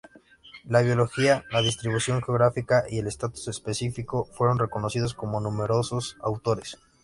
La biología, la distribución geográfica y el estatus específico fueron reconocidos por numerosos autores.